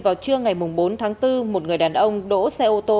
vào trưa ngày bốn tháng bốn một người đàn ông đỗ xe ô tô